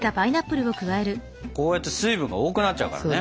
こうやって水分が多くなっちゃうからね。